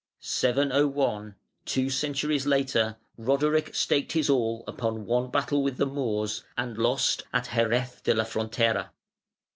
(701) Two centuries later Roderic staked his all upon one battle with the Moors, and lost, at Xeres de la Frontera.